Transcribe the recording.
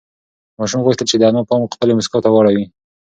ماشوم غوښتل چې د انا پام خپلې مسکا ته واړوي.